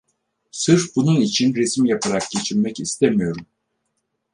Sırf bunun için resim yaparak geçinmek istemiyorum.